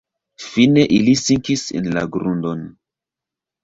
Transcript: Fine ili sinkis en la grundon.